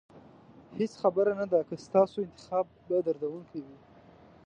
هېڅ خبره نه ده که ستاسو انتخاب به دردونکی وي.